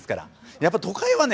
やっぱ都会はね